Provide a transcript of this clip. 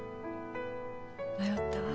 迷ったわ。